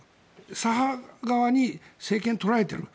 左派側に政権が取られている。